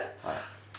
はい。